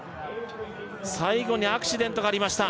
最後にアクシデントがありました